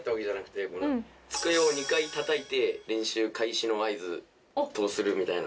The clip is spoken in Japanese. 机を２回叩いて練習開始の合図とするみたいな。